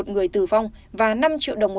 một người tử vong và năm triệu đồng